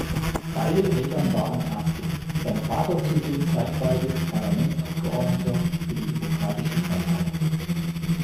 Beide Eltern waren Ärzte, sein Vater zudem zeitweilig Parlamentsabgeordneter für die Demokratische Partei.